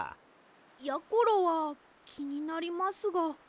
やころはきになりますが。